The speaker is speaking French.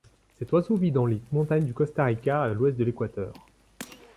Cet oiseau vit dans les montagnes du Costa Rica à l'ouest de l'Équateur.